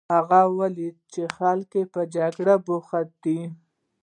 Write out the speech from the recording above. هغه ولیدل چې خلک په جګړه بوخت دي.